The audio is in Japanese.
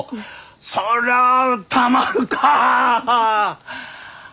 そりゃあたまるかあ！